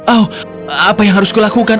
oh apa yang harus kulakukan